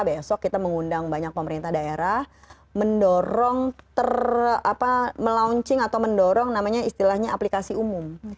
besok kita mengundang banyak pemerintah daerah mendorong ter melaunching atau mendorong namanya istilahnya aplikasi umum